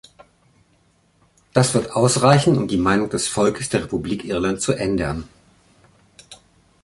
Das wird ausreichen, um die Meinung des Volkes der Republik Irland zu ändern.